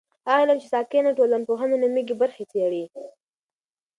هغه علم چې ساکنه ټولنپوهنه نومیږي برخې څېړي.